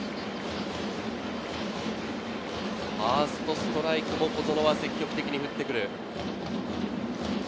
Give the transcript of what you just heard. ファーストストライクも小園は積極的に打ってくる。